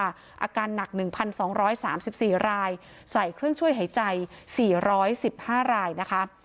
อาการหนัก๑๒๓๔รายใส่เครื่องช่วยหายใจ๔๑๕รายนะคะ